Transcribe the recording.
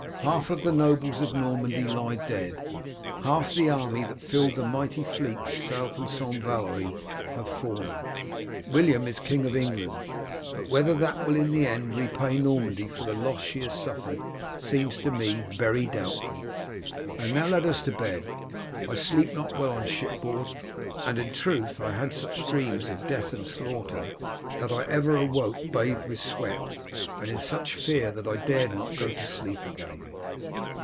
Half of the nobles of Normandy lie dead, half the army that filled the mighty fleet that sailed from St. Valery have fallen. William is King of England, but whether that will in the end repay Normandy for the loss she has suffered seems to me very doubtful. And now let us to bed. I sleep not well on shipboard, and in truth I had such dreams of death and slaughter that I ever awoke bathed with sweat, and in such fear that I dared not go to sleep again."